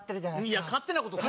いや、勝手なことすな。